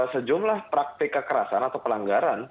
sejumlah praktik kekerasan atau pelanggaran